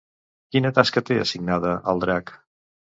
Quina tasca té assignada, el drac?